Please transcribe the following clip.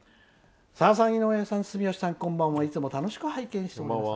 「さださん、井上さん住吉さん、こんばんはいつも楽しく拝見しています。